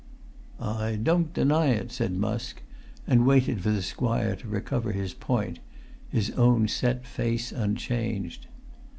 "I don't deny it," said Musk; and waited for the squire to recover his point, his own set face unchanged.